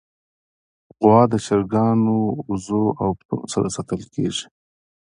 غوا د چرګانو، وزو، او پسونو سره ساتل کېږي.